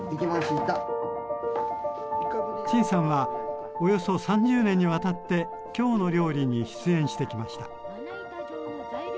陳さんはおよそ３０年にわたって「きょうの料理」に出演してきました。